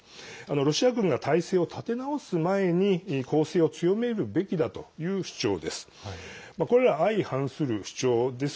ロシア軍が態勢を立て直す前に攻勢を強めるべきだという主張です。